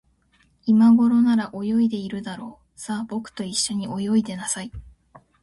いまごろなら、泳いでいるだろう。さあ、ぼくといっしょにおいでなさい。